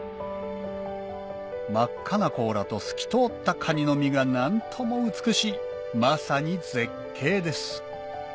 真っ赤な甲羅と透き通ったカニの身が何とも美しいまさに絶景です